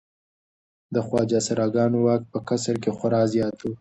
د خواجه سراګانو واک په قصر کې خورا زیات و.